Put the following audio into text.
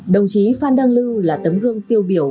đồng chí phan đăng lưu là tấm gương tiêu biểu